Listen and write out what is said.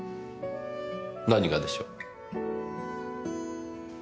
何がでしょう？